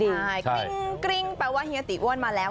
ใช่กริ้งแปลว่าเฮียตีอ้วนมาแล้ว